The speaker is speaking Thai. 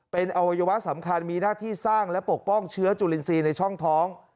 เป็นอวัยวะสำคัญมีหน้าที่สร้างและปกป้องเชื้อจุลินทรีย์ในช่องท้อง